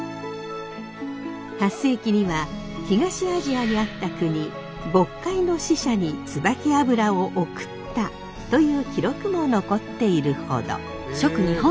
８世紀には東アジアにあった国渤海の使者につばき油を贈ったという記録も残っているほど。